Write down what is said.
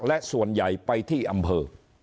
และส่วนใหญ่ไปที่อำเภอ